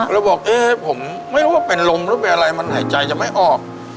ก็น้อยบากแบบผมไม่รู้เป็นลมหรืออะไรมันหายใจจะไม่ออก